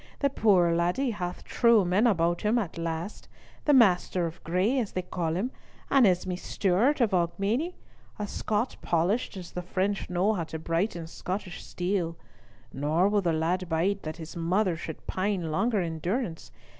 The puir laddie hath true men about him, at last,—the Master of Gray, as they call him, and Esme Stewart of Aubigny, a Scot polished as the French know how to brighten Scottish steel. Nor will the lad bide that his mother should pine longer in durance.